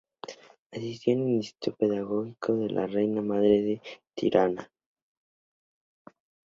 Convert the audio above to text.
Asistió al Instituto Pedagógico de la Reina Madre en Tirana.